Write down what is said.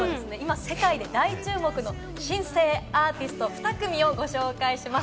世界で大注目の新星アーティスト２組をご紹介します。